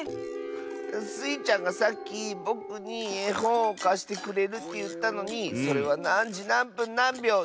スイちゃんがさっきぼくにえほんをかしてくれるっていったのに「それはなんじなんぷんなんびょう？